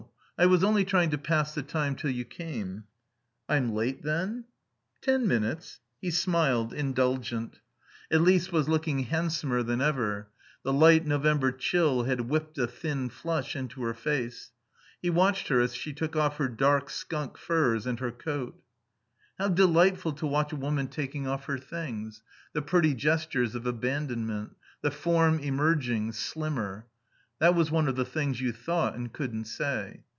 I was only trying to pass the time till you came." "I'm late then?" "Ten minutes." He smiled, indulgent Elise was looking handsomer than ever. The light November chill had whipped a thin flush into her face. He watched her as she took off her dark skunk furs and her coat. How delightful to watch a woman taking off her things, the pretty gestures of abandonment; the form emerging, slimmer. That was one of the things you thought and couldn't say.